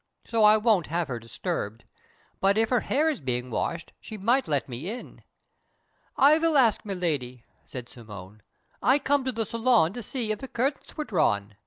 So I wouldn't have her disturbed. But if her hair is being washed, she might let me in." "I will ask Miladi," said Simone. "I came to the salon to see if the curtains were drawn.